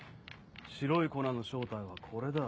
白い粉の正体はこれだ。